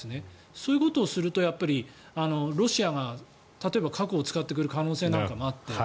そういうことをするとロシアが例えば核を使ってくる可能性なんかがあって。